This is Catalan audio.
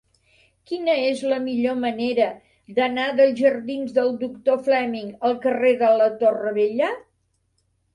Quina és la millor manera d'anar dels jardins del Doctor Fleming al carrer de la Torre Vella?